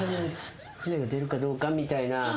船が出るかどうかみたいな話で。